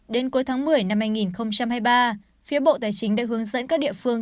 đến cuối tháng một mươi năm hai nghìn hai mươi ba phía bộ tài chính đã hướng dẫn các địa phương